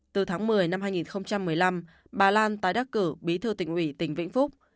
từ tháng một mươi năm hai nghìn một mươi năm bà lan tái đắc cử bí thư tỉnh ủy tỉnh vĩnh phúc